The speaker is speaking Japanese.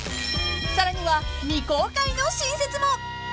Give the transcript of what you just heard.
［さらには未公開の新説も］